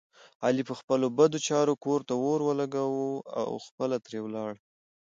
علي په خپلو بدو چارو کور ته اور ولږولو خپله ترې ولاړو.